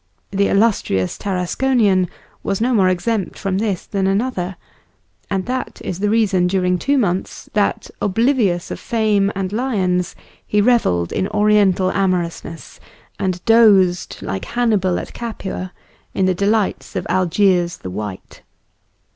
The illustrious Tarasconian was no more exempt from this than another, and that is the reason during two months that, oblivious of fame and lions, he revelled in Oriental amorousness, and dozed, like Hannibal at Capua, in the delights of Algiers the white.